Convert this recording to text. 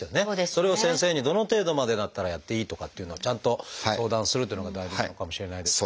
それを先生にどの程度までだったらやっていいとかっていうのをちゃんと相談するっていうのが大事なのかもしれないです。